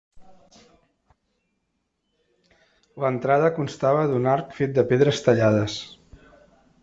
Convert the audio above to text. L'entrada constava d'un arc fet de pedres tallades.